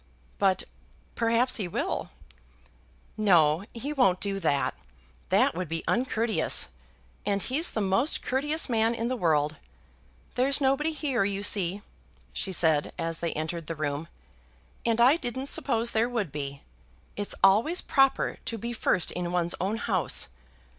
"But perhaps he will." "No; he won't do that. That would be uncourteous, and he's the most courteous man in the world. There's nobody here, you see," she said as they entered the room, "and I didn't suppose there would be. It's always proper to be first in one's own house.